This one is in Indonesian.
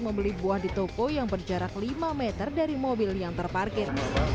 membeli buah di toko yang berjarak lima meter dari mobil yang terparkir